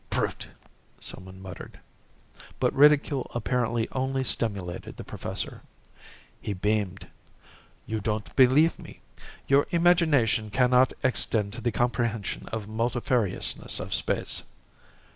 "Brute," someone muttered. But ridicule apparently only stimulated the professor. He beamed. "You don't believe me. Your imagination cannot extend to the comprehension of the multifariousness of space."